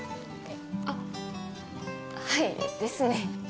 あっはいですね。